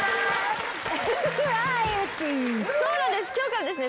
そうなんです今日からですね